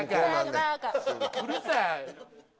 うるさい！